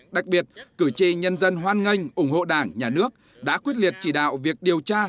đặc biệt cử tri nhân dân hoan nghênh ủng hộ đảng nhà nước đã quyết liệt chỉ đạo việc điều tra